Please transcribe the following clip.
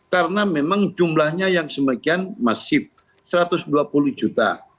karena memang jumlahnya yang semekian masif satu ratus dua puluh juta